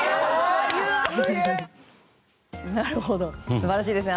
素晴らしいですね。